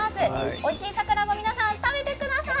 おいしいサクランボ皆さん食べてください。